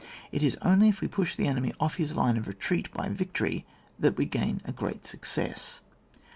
It is only if we push the enemy off his line of retreat by the victory that we gain a great success.